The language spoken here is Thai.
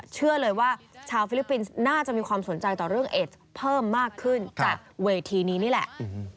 เชื่อเลยว่าชาวฟิลิปปินส์น่าจะมีความสนใจต่อเรื่องเอสเพิ่มมากขึ้นจากเวทีนี้นี่แหละ